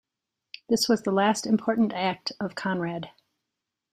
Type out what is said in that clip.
This was the last important act of Konrad.